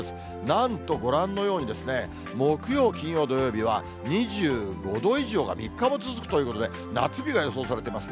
なんとご覧のようにですね、木曜、金曜、土曜日は２５度以上が３日も続くということで、夏日が予想されています。